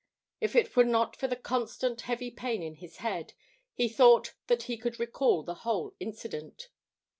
If it were not for the constant, heavy pain in his head, he thought that he could recall the whole incident.